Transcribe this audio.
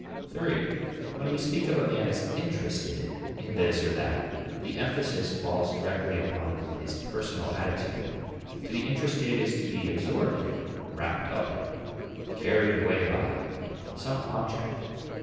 (iii) When we speak of a man as interested in this or that the emphasis falls directly upon his personal attitude. To be interested is to be absorbed in, wrapped up in, carried away by, some object.